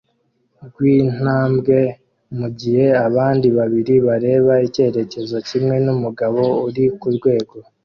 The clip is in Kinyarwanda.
rwintambwe mugihe abandi babiri bareba icyerekezo kimwe numugabo uri kurwego